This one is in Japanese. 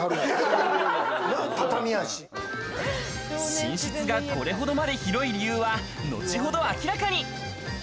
寝室がこれほどまで広い理由は後ほど明らかに。